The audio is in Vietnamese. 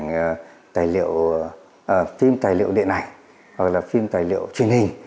điện ảnh tài liệu phim tài liệu điện ảnh hoặc là phim tài liệu truyền hình